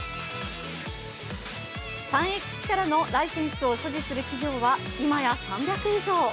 サンエックスキャラのライセンスを所持する企業は今や３００以上。